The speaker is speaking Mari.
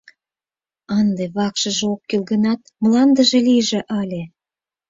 Ынде вакшыже ок кӱл гынат, мландыже лийже ыле!..